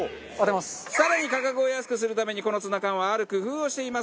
更に価格を安くするためにこのツナ缶はある工夫をしています。